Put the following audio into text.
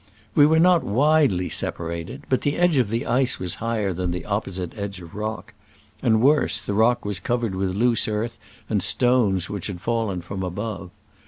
We* were not widely separated, but the edge of the ice was higher than the opposite edge of rock ; and worse, the rock was covered with loose earth and stones which had fallen from above.